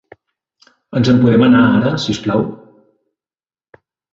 Ens en podem anar ara, si us plau?